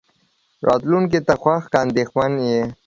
راتلونکې ته خوښ که اندېښمن يې.